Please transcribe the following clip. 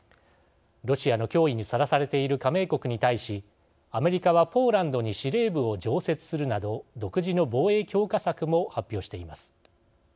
ロシアの脅威にさらされている加盟国に対しアメリカは、ポーランドに司令部を常設するなど独自の防衛強化策も発表しています。